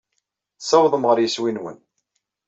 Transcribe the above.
Tessawḍem ɣer yeswi-nwen.